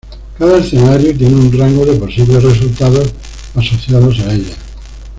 Cada escenario tiene un rango de posibles resultados asociados a ella.